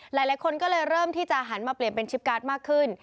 หลายคนก็เลยเริ่มที่จะหันมาเปลี่ยนเป็นชิปการ์ดมากขึ้น